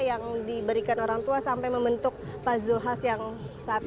yang diberikan orang tua sampai membentuk pak zulhas yang saat ini